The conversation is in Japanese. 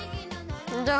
どう？